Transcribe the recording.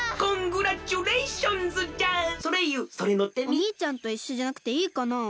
おにいちゃんといっしょじゃなくていいかなあ。